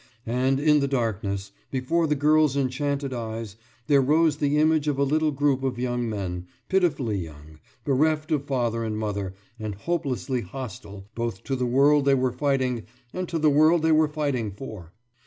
And, in the darkness, before the girl's enchanted eyes, there rose the image of a little group of young men, pitifully young, bereft of father and mother, and hopelessly hostile both to the world they were fighting and to the world they were fighting for.